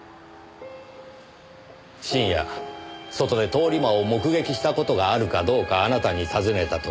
深夜外で通り魔を目撃した事があるかどうかあなたに尋ねた時。